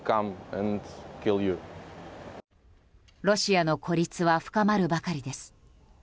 ロシアの孤立は深まるばかりです。